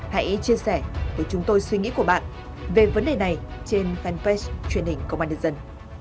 hãy chia sẻ với chúng tôi suy nghĩ của bạn về vấn đề này trên fanpage truyền hình công an nhân dân